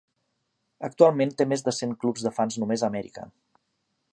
Actualment té més de cent clubs de fans només a Amèrica.